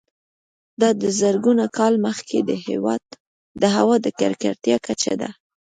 دا د زرګونه کاله مخکې د هوا د ککړتیا کچه ده